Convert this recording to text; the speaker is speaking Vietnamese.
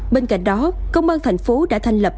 bên cạnh đó công an tp đã thành lập